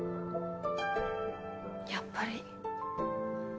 やっぱり。